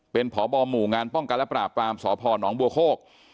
เป็นพบหมู่งานป้องกันและปราบปรามสพนบัวโคก